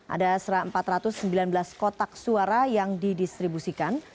ada empat ratus sembilan belas kotak suara yang didistribusikan